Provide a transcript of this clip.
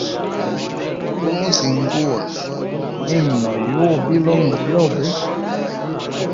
Gumu zinguwa, mimi noyuwa bilongwa byobe.